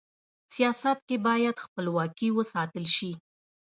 سیاست کي بايد خپلواکي و ساتل سي.